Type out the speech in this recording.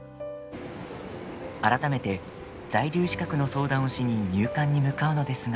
改めて、在留資格の相談をしに入管に向かうのですが。